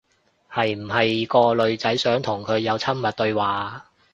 係唔係個女仔想同佢有親密對話？